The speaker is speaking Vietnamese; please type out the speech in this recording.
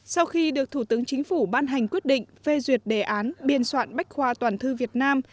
sau khi được thủ tướng chính phủ ban hành quyết định phê duyệt đề án biên soạn bách khoa toàn thư việt nam